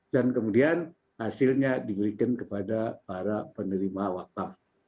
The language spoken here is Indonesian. dan kemudian hasilnya diberikan kepada para penerima wakaf